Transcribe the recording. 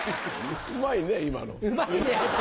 うまいね今の。